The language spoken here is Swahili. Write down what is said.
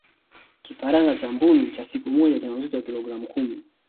kifaranga cha mbuni cha siku moja kina uzito wa kilogramu kumi